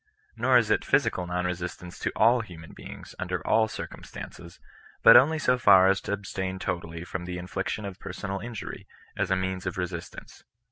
Nor is it physical non resistance to all human beings, under all circumstances, but only so far as to abstain totally from the infliction of personal injury, as a means of resistance.